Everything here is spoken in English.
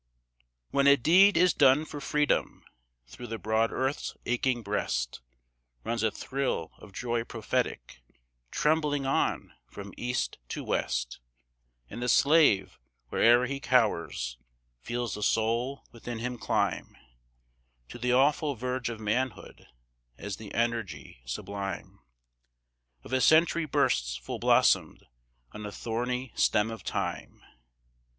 When a deed is done for Freedom, through the broad earth's aching breast Runs a thrill of joy prophetic, trembling on from east to west, And the slave, where'er he cowers, feels the soul within him climb To the awful verge of manhood, as the energy sublime Of a century bursts full blossomed on the thorny stem of Time.